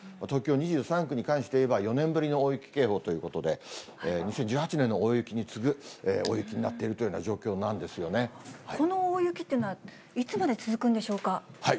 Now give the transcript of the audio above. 東京２３区に関していえば、４年ぶりの大雪警報ということで、２０１８年の大雪に次ぐ大雪になっているというような状況なんでこの大雪っていうのは、いつまで続くんでしょうか。